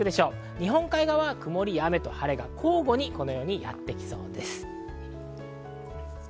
日本海側は曇りと晴れが交互にやってきそうです。